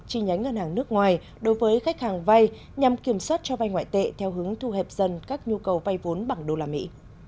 chi nhánh ngân hàng nước ngoài đối với khách hàng vai nhằm kiểm soát cho vai ngoại tệ theo hướng thu hẹp dân các nhu cầu vai vốn bằng đô la mỹ